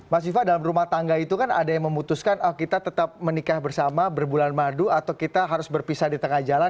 mas viva dalam rumah tangga itu kan ada yang memutuskan kita tetap menikah bersama berbulan madu atau kita harus berpisah di tengah jalan